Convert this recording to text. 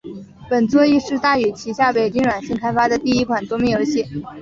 本作亦是大宇旗下北京软星开发的第一款桌面游戏。